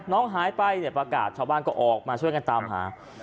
น้องหายไปเนี่ยประกาศชาวบ้านก็ออกมาช่วยกันตามหา